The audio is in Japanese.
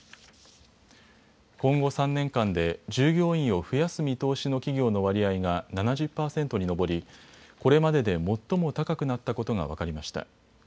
今後３年間で従業員を増やす見通しの企業の割合が７０％に上り、これまでで最も高くなったことが分かりました。